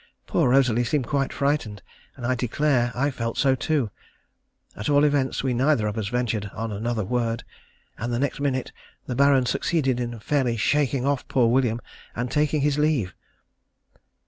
Poor Rosalie seemed quite frightened, and I declare I felt so too. At all events, we neither of us ventured on another word, and the next minute the Baron succeeded in fairly shaking off poor William and taking his leave.